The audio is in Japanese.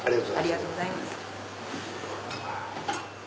ありがとうございます。